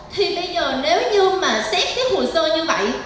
thì bây giờ nếu như mà xét cái hồ sơ như vậy